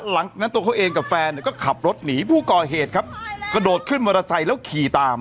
หลังนั้นตัวเขาเองกับแฟนเนี่ยก็ขับรถหนีผู้ก่อเหตุครับกระโดดขึ้นมอเตอร์ไซค์แล้วขี่ตาม